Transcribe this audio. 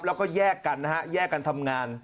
แล้วก็แยกกันนะฮะแยกกันทำงาน